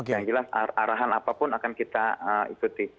yang jelas arahan apapun akan kita ikuti